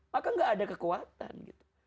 maka gak ada kekuatan gitu